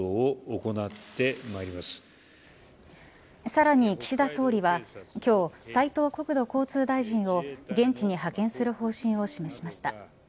さらに、岸田総理は今日、斉藤国土交通大臣を現地に派遣する方針を示しました。